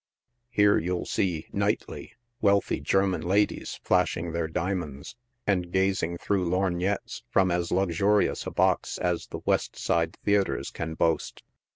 Here you'll see, nightly, wealthy German la dies flashing their diamonds, and gazing through lorgnettes from ku luxurious a box as the West side theatres can boast.